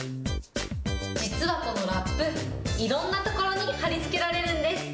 実はこのラップ、いろんな所に貼り付けられるんです。